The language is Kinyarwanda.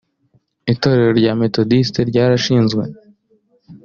Itorero rya Methodiste ryarashinzwe